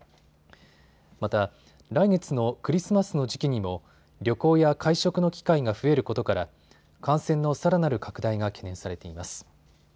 また来月のクリスマスの時期にも旅行や会食の機会が増えることから感染のさらなる拡大が懸念されています。